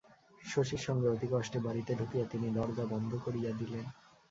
শশীর সঙ্গে অতিকষ্টে বাড়িতে ঢুকিয়া তিনি দরজা বন্ধ করিয়া দিলেন।